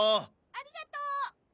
ありがとう！